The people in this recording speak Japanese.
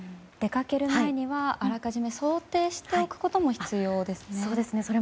出かける前にはあらかじめ想定しておくことも必要ですね。